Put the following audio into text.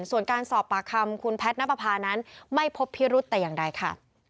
ส่วนการสอบปากคำคุณแพทย์นับประพานั้นไม่พบพิรุธแต่อย่างใดค่ะ